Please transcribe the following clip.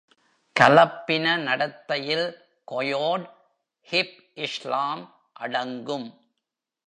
கலப்பின நடத்தையில் coyote "hip-slam" அடங்கும்.